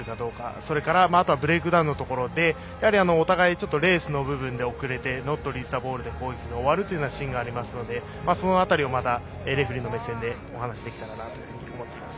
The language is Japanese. それから、あとはブレイクダウンのところでお互い、遅れてノットリリースザボールで攻撃が終わるというシーンがありますのでその辺りをレフリーの目線でお話できたらなと思います。